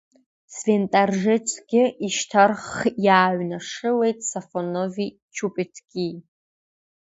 Свентаржецки ишьҭархх иааҩнашылеит Софонови Чупецкии.